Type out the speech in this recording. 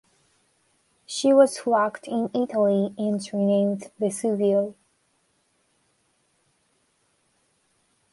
She was flagged in Italy and renamed "Vesuvio".